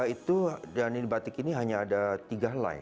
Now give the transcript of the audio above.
itu dan ini batik ini hanya ada tiga live